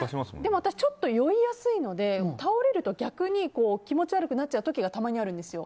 私、ちょっと酔いやすいので倒れると逆に気持ち悪くなっちゃう時がたまにあるんですよ。